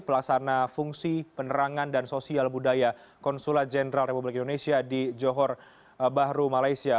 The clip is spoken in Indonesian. pelaksana fungsi penerangan dan sosial budaya konsulat jenderal republik indonesia di johor bahru malaysia